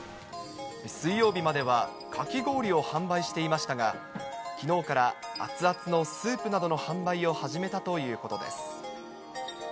水曜日まではかき氷を販売していましたが、きのうから熱々のスープなどの販売を始めたということです。